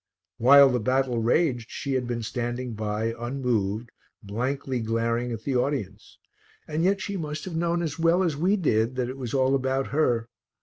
While the battle raged she had been standing by, unmoved, blankly glaring at the audience; and yet she must have known as well as we did that it was all about her.